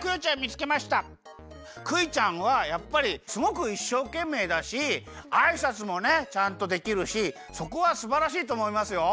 クイちゃんはやっぱりすごくいっしょうけんめいだしあいさつもねちゃんとできるしそこはすばらしいとおもいますよ。